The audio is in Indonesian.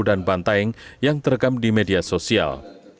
dan bantaeng yang terekam di media sosial